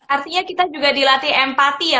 artinya kita juga dilatih empati ya